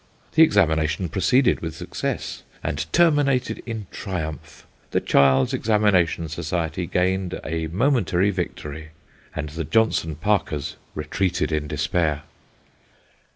The examination proceeded with success, and terminated in triumph. The child's examination society gained a momentary victory, and the Johnson Parkers retreated in despair.